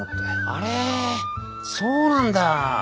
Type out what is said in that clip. あれそうなんだ。